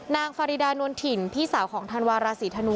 ฟารีดานวลถิ่นพี่สาวของธันวาราศีธนู